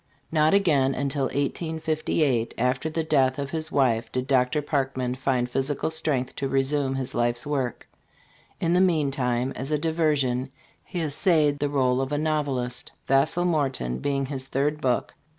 Not again until 1858, after the death of his wife, did Dr. Parkman find physical strength to resume his life's work. In the meantime, as a diversion, he essayed the role of a novelist, '' Vassall Morton " being his third book.